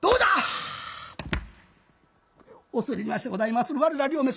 「はあ恐れ入りましてございまする我ら両名